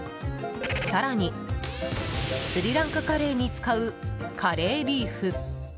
更に、スリランカカレーに使うカレーリーフ。